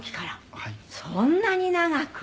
「そんなに長く？」